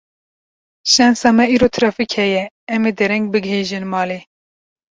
Şensa me îro trafîk heye, em ê dereng bigihîjin malê.